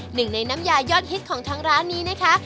หนึ่งในน้ำยายอดฮิตของทางร้านนี้นะคะ